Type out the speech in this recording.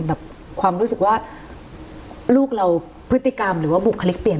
แบบความรู้สึกว่าลูกเราพฤติกรรมหรือว่าบุคลิกเปลี่ยน